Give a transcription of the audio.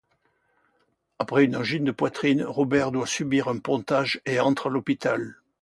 Après une angine de poitrine, Robert doit subir un pontage et entre à l'hôpital.